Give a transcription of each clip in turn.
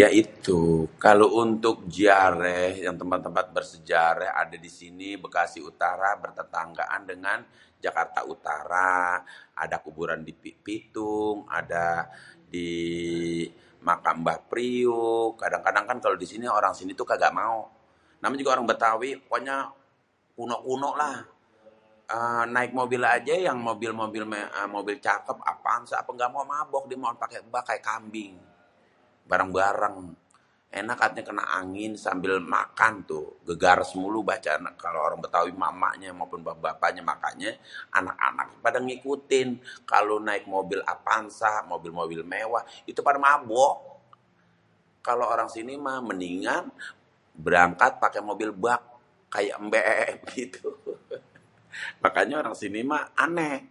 "Ya itu kalo untuk jiaréh yang tempat-tempat bersejaréh. Ada di sini Bekasi Utara bertentanggaan dengan Jakarta Utara, ada kuburan Si Pitung, ada di makam Mbah Priyuk. Kadang-kadang kan kalo orang sini tuh kagak mau. Namanya juga orang Betawi pokoknya kuno-kunolah. Naik mobil aja, yang mobil-mobil cakep Avanza apa gak mau, mabok. Pengennya paké bak kayak kambing, bareng-bareng, enak katanya kena angin sambil makan tuh, gegares mulu kalo orang Betawi emak-emaknya maupun bapaknya. Makanya anak-anaknya pada ngikutin. Kalo naik mobil Apansa, mobil-mobil mewah, itu pada mabok. Kalo orang sini mah mendingan berangkat paké mobil bak kayak ""mbek"" gitu hehehe. Makanya orang sini mah aneh.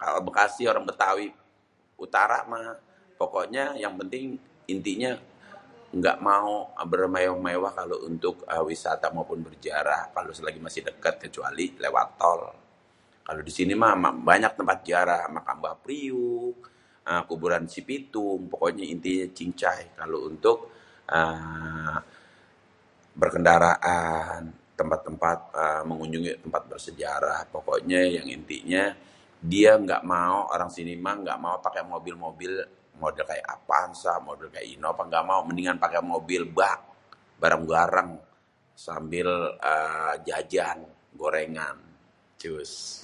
Kalo Bekasi, orang Betawi Utara mah pokoknya yang penting intinya, gak mau bermewah-mewah kalo untuk wisata maupun berjiarah kalo selagi masih deket kecuali lewat tol. Kalo di sini mah banyak tempat jiarah makam Mbah Priyuk, kuburan Si Pitung. Pokoknya intinya cincai kalo untuk berkendaraan tempat-tempat, mengunjungi tempat bersejarah. Pokoknyé yang intinya, dia gak mau, orang sini mah gak mau paké mobil-mobil model kayak Avanza, model kayak Innova, mendingan paké mobil bak, bareng-bareng, sambil jajan gorengan."